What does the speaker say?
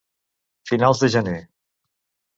Finals de gener.